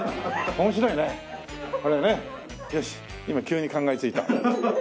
今急に考えついた。